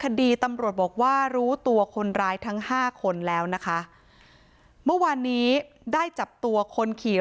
คดีตำรวจบอกว่ารู้ตัวคนร้ายทั้งห้าคนแล้วนะคะเมื่อวานนี้ได้จับตัวคนขี่